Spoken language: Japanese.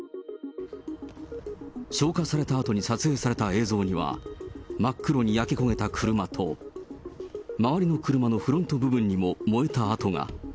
消火されたあとに撮影された映像には、真っ黒に焼け焦げた車と、周りの車のフロント部分にも燃えた跡が。